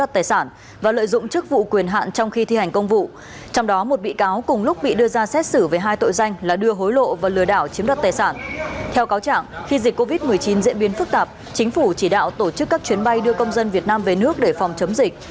trong năm hai nghìn một mươi chín diễn biến phức tạp chính phủ chỉ đạo tổ chức các chuyến bay đưa công dân việt nam về nước để phòng chấm dịch